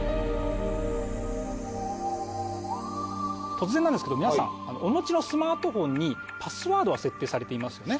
突然なんですけど皆さんお持ちのスマートフォンにパスワードは設定されていますよね？